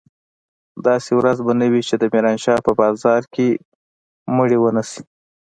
داسې ورځ به نه وي چې د ميرانشاه په بازار کښې مړي ونه سي.